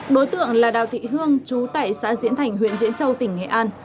đối tượng là đào thị hương chú tại xã diễn thành huyện diễn châu tỉnh nghệ an